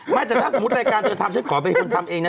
ไม่แต่ถ้าสมมุติรายการเธอทำฉันขอเป็นคนทำเองนะ